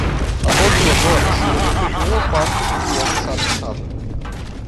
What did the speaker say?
Após duas horas?, ele retornou ao quarto onde o homem sábio estava.